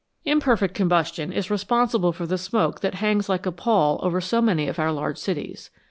Imperfect combustion is responsible for the smoke that hangs like a pall over so many of our large cities.